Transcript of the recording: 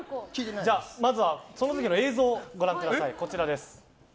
まずはその時の映像をご覧ください。